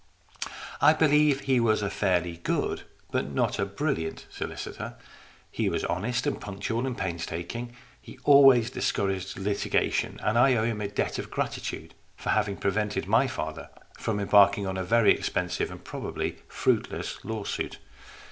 I believe he was a fairly good, but not a brilliant, solicitor. He was honest and punctual and pains taking. He always discouraged litigation, and I owe him a debt of gratitude for having prevented my father from embarking on a very expensive and probably fruitless lawsuit.